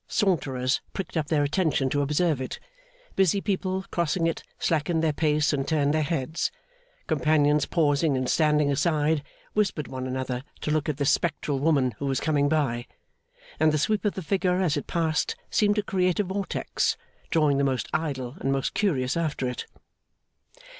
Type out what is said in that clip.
Saunterers pricked up their attention to observe it; busy people, crossing it, slackened their pace and turned their heads; companions pausing and standing aside, whispered one another to look at this spectral woman who was coming by; and the sweep of the figure as it passed seemed to create a vortex, drawing the most idle and most curious after it.